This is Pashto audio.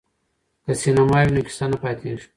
که سینما وي نو کیسه نه پاتیږي.